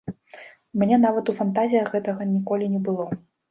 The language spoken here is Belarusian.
У мяне нават у фантазіях гэтага ніколі не было.